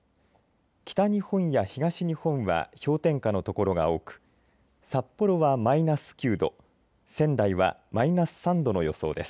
北日本や東日本は氷点下の所が多く札幌はマイナス９度仙台はマイナス３度の予想です。